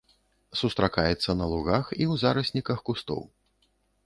Сустракаецца на лугах і ў зарасніках кустоў.